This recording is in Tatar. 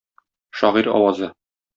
Шагыйрь авазы